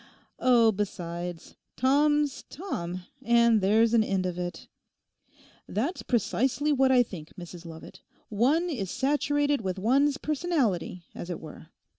Oh, besides, Tom's Tom—and there's an end of it.' 'That's precisely what I think, Mrs Lovat; one is saturated with one's personality, as it were.